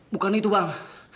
bukan itu bang